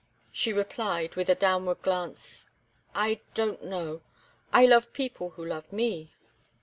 She replied, with a downward glance: "I don't know I love people who love me."